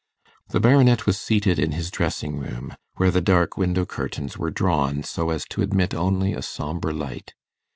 The Baronet was seated in his dressing room, where the dark window curtains were drawn so as to admit only a sombre light.